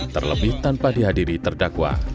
terlebih tanpa dihadiri terdakwa